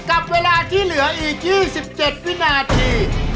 กับเวลาที่เหลืออีก๒๗วินาที